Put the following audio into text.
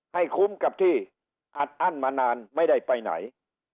ให้คุ้มกับที่อัดอั้นมานานไม่ได้ไปไหน